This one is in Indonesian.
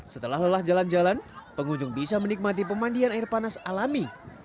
setelah lelah jalan jalan pengunjung bisa menikmati pemandian air panas alami